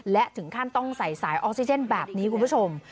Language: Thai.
และถึงขั้นต้องใส่สายออกซิเจนแบบนี้คุณผู้ชม